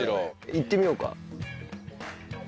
いってみようか。